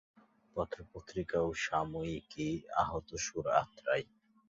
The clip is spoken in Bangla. পত্র-পত্রিকা ও সাময়িকী আহতসুর, আত্রাই।